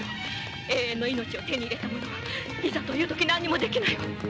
永遠の命を手に入れた者はいざというとき何もできないわ。